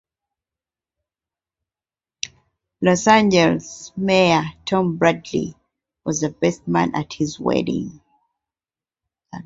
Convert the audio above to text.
Los Angeles mayor Tom Bradley was the best man at his wedding.